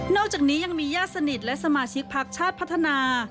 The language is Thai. อกจากนี้ยังมีญาติสนิทและสมาชิกพักชาติพัฒนา